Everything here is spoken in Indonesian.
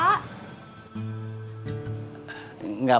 tiga hari terus penerbangan